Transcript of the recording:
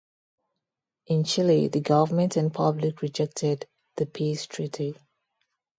In Chile, the government and public rejected the peace treaty.